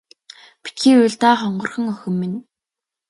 Битгий уйл даа хонгорхон охин минь.